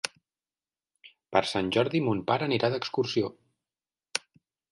Per Sant Jordi mon pare anirà d'excursió.